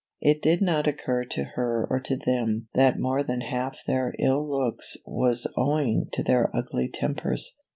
It did not occur to her or to them that more than half their ill looks was owing to their ugly tempers.